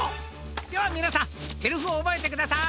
ではみなさんセリフをおぼえてください。